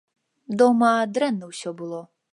Дома дрэнна усё было.